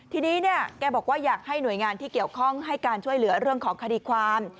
ทีนี้เนี่ยแกบอกว่าอยากให้หน่วยงานที่เกี่ยวข้องให้การช่วยเหลือเรื่องของคดีความ